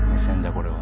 これは。